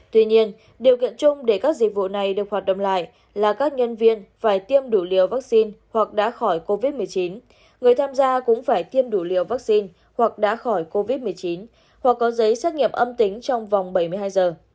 tuy nhiên điều kiện chung để các dịch vụ này được hoạt động lại là các nhân viên phải tiêm đủ liều vaccine hoặc đã khỏi covid một mươi chín người tham gia cũng phải tiêm đủ liều vaccine hoặc đã khỏi covid một mươi chín hoặc có giấy xác nghiệm âm tính trong vòng bảy mươi hai giờ